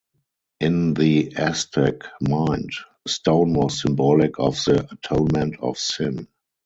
In the Aztec mind, stone was symbolic of the atonement of sin.